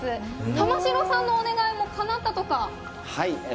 玉城さんのお願いもかなったとか？